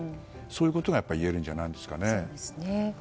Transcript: そういうことが言えるんじゃないんですかね。